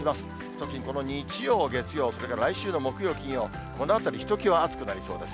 特にこの日曜、月曜、それから来週の木曜、金曜、このあたり、ひときわ暑くなりそうです。